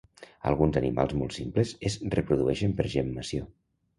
Alguns animals molt simples es reprodueixen per gemmació.